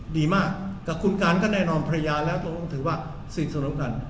ดีมากกับคุณการค์ก็แนะนำพระยาแล้วทวงถือว่าสิดสนุกกัน